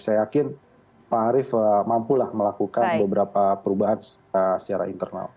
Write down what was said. saya yakin pak arief mampulah melakukan beberapa perubahan secara internal